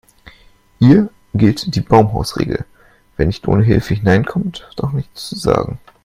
Hier gilt die Baumhausregel: Wer nicht ohne Hilfe hineinkommt, hat auch nichts zu sagen.